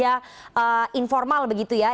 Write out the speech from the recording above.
atau sektor informal begitu ya